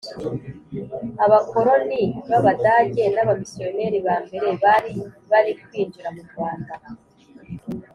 Abakoloni b’Abadage n’abamisiyoneri ba mbere bari bari kwinjira mu Rwanda